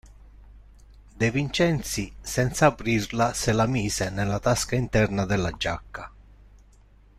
De Vincenzi, senza aprirla, se la mise nella tasca interna della giacca.